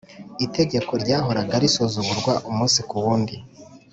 Itegeko ryahoraga risuzugurwa umunsi kuwundi